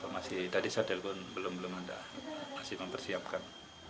masih tadi saya telepon belum belum ada masih mempersiapkan